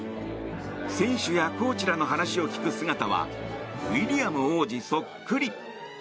選手やコーチらの話を聞く姿はウィリアム王子そっくり。